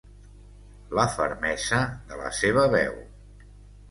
La fermesa de la seva veu.